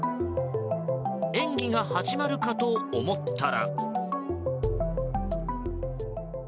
演技が始まるかと思ったら。